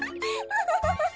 ウフフフフ！